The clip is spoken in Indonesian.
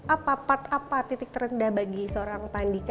apa part apa titik terendah bagi seorang pak andika